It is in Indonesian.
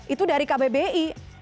itu dari kbbi